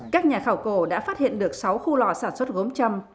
các nhà khảo cổ đã phát hiện được sáu khu lò sản xuất gốm châm